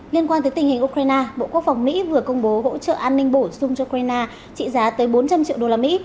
liên quan tới tình hình ukraine bộ quốc phòng mỹ vừa công bố hỗ trợ an ninh bổ sung cho ukraine trị giá tới bốn trăm linh triệu usd